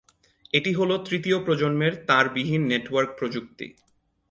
এটি হল তৃতীয় প্রজন্মের তারবিহীন নেটওয়ার্ক প্রযুক্তি।